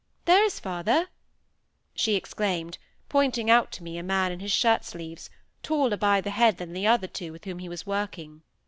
There is father," she exclaimed, pointing out to me a man in his shirt sleeves, taller by the head than the other two with whom he was working.